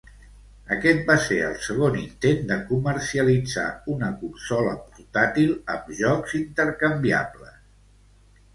Aquest va ser el segon intent de comercialitzar una consola portàtil amb jocs intercanviables.